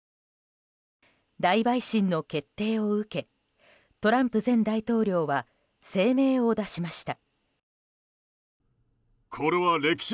大陪審の決定を受けトランプ前大統領は声明を出しました。